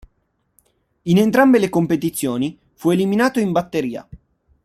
In entrambe le competizioni fu eliminato in batteria.